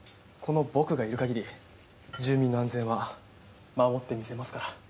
この僕がいるかぎり住民の安全は守ってみせますから。